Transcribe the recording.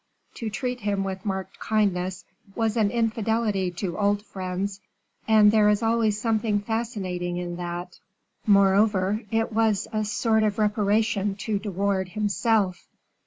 To treat him with marked kindness was an infidelity to old friends, and there is always something fascinating in that; moreover, it was a sort of reparation to De Wardes himself.